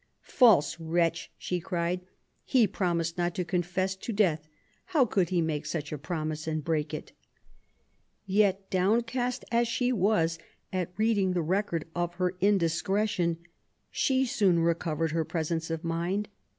False wretch," she cried, he promised not to confess to death ; how could he make such a promise and break it ?" Yet, downcast as she was at reading the record of her indiscretion, 14 QUEEN ELIZABETH, she soon recovered her presence of mind.